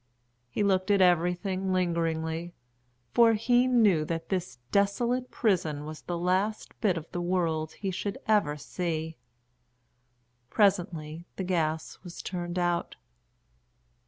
He looked at everything lingeringly, for he knew that this desolate prison was the last bit of the world he should ever see. Presently the gas was turned out.